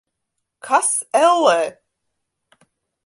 Kas, ellē?